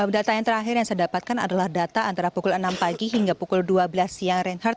data yang terakhir yang saya dapatkan adalah data antara pukul enam pagi hingga pukul dua belas siang reinhardt